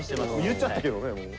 言っちゃったけどねもう。